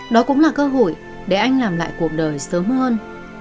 đó cũng là cơ hội để anh làm lại cuộc đời sớm hơn